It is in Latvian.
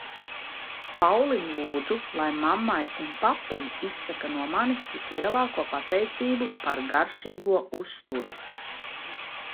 Paulim lūdzu lai mammai un papum izsaka no manis vislielāko pateicību par garšīgo uzturu.